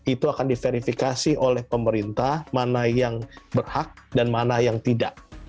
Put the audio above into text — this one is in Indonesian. itu akan diverifikasi oleh pemerintah mana yang berhak dan mana yang tidak